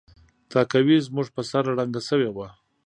تهکوي زموږ په سر ړنګه شوې وه